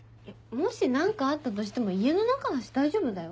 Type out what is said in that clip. もし何かあったとしても家の中だし大丈夫だよ。